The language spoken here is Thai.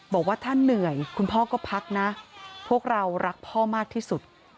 บอกว่าถ้าเหนื่อยคุณพ่อก็พักนะพวกเรารักพ่อมากที่สุด